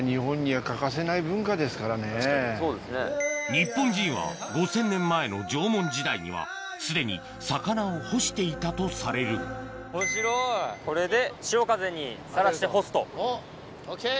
日本人は５０００年前の縄文時代にはすでに魚を干していたとされる面白いこれで。